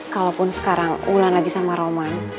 kalaupun sekarang ulan lagi sama roman